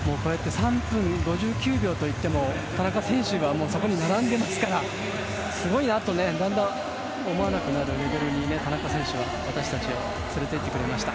３分５９秒といっても田中選手はそこに並んでいますからすごいなとだんだん思わなくなるレベルに田中選手は私たちをつれていってくれました。